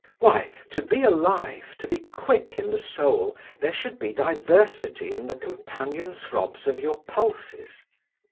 Why, to be alive, to be quick in the soul, there should be diversity in the companion throbs of your pulses.